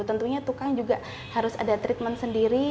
tentunya tukang juga harus ada treatment sendiri